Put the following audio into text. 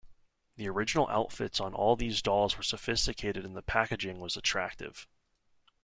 The original outfits on all these dolls were sophisticated and the packaging was attractive.